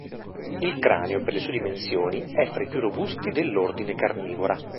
Il cranio, per le sue dimensioni, è fra i più robusti dell'ordine carnivora.